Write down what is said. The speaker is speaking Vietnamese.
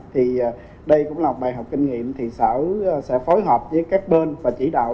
thì đây cũng là bài học kinh nghiệm thì sở sẽ phối hợp với các bên và chỉ đạo